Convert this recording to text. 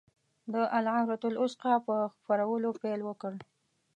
د العروة الوثقی په خپرولو پیل وکړ.